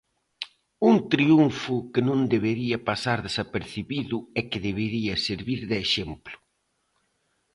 Un triunfo que non debería pasar desapercibido e que debería servir de exemplo.